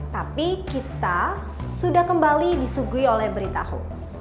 tapi kita sudah kembali disugui oleh berita hoax